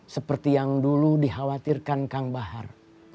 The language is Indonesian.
seperti yang dulu dikhawatirkan kang bahar